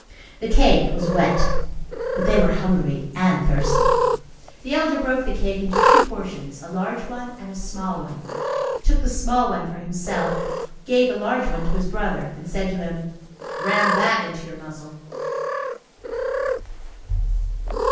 The cake was wet; but they were hungry and thirsty. The elder broke the cake into two portions, a large one and a small one, took the small one for himself, gave the large one to his brother, and said to him: "Ram that into your muzzle."